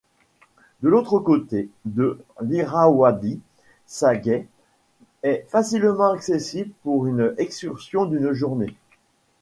De l'autre côté de l'Irrawaddy, Sagaing est facilement accessible pour une excursion d'une journée.